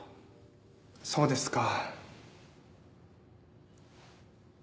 そうですか。